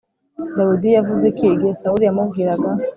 Dawidi yavuze iki igihe Sawuli yamubwiraga